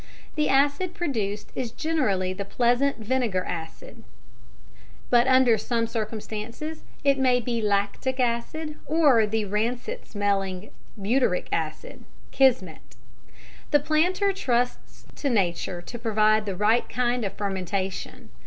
The acid produced is generally the pleasant vinegar acid (acetic acid), but under some circumstances it may be lactic acid, or the rancid smelling butyric acid. Kismet! The planter trusts to nature to provide the right kind of fermentation.